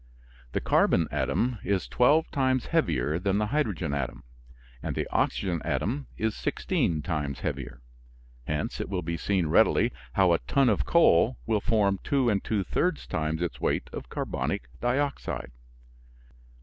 The carbon atom is twelve times heavier than the hydrogen atom, and the oxygen atom is sixteen times heavier. Hence it will be seen readily how a ton of coal will form two and two thirds times its weight of carbonic dioxide.